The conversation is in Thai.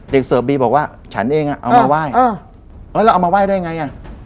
เสิร์ฟบีบอกว่าฉันเองอ่ะเอามาไหว้แล้วเอามาไหว้ได้ไงอ่ะ